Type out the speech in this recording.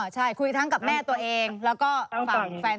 อ๋อใช่คุยทั้งกับแม่ตัวเองแล้วก็ฝั่งแฟนตัวเอง